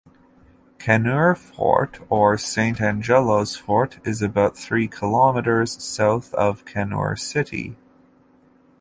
Kannur Fort or St.Angelo's Fort is about three kilometers south of Kannur city.